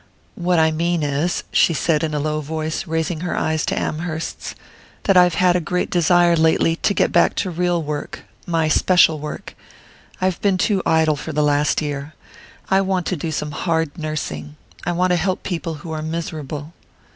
"What I mean is," she said in a low voice, raising her eyes to Amherst's, "that I've had a great desire lately to get back to real work my special work.... I've been too idle for the last year I want to do some hard nursing; I want to help people who are miserable."